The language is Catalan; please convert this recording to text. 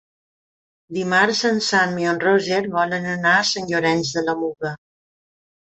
Dimarts en Sam i en Roger volen anar a Sant Llorenç de la Muga.